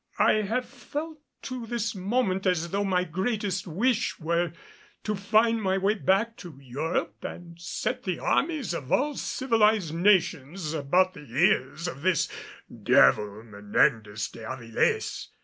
I have felt to this moment as though my greatest wish were to find my way back to Europe and set the armies of all civilized nations about the ears of this devil Menendez de Avilés.